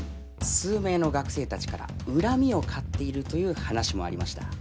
数名の学生たちから恨みを買っているという話もありました。